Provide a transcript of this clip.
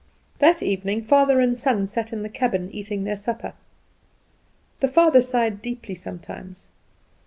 That evening father and son sat in the cabin eating their supper. The father sighed deeply sometimes.